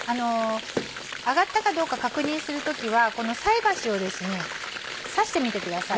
揚がったかどうか確認する時は菜箸を刺してみてください。